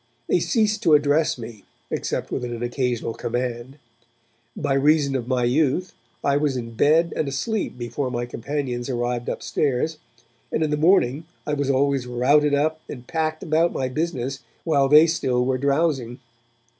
They ceased to address me except with an occasional command. By reason of my youth, I was in bed and asleep before my companions arrived upstairs, and in the morning I was always routed up and packed about my business while they still were drowsing.